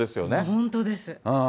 本当です。